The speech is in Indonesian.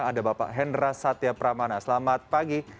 ada bapak hendra satya pramana selamat pagi